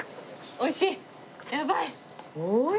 おいしい！